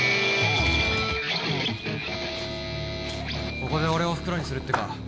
ここで俺をフクロにするってか。